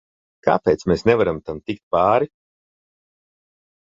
Kāpēc mēs nevaram tam tikt pāri?